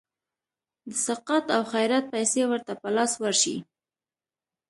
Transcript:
د سقاط او خیرات پیسي ورته په لاس ورشي.